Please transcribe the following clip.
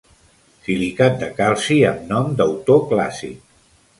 Silicat de calci amb nom d'autor clàssic.